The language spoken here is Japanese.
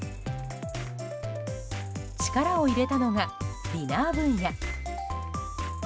力を入れたのがディナー分野。